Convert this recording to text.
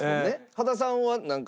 羽田さんはなんか？